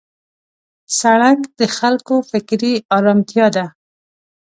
سړک د خلکو فکري آرامتیا ده.